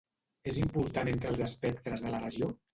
És important entre els espectres de la regió?